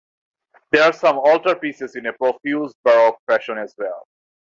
There are some altarpieces in a profuse baroque fashion as well.